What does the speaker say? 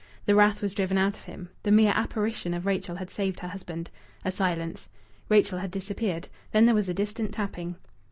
The wrath was driven out of him. The mere apparition of Rachel had saved her husband. A silence. Rachel had disappeared. Then there was a distant tapping.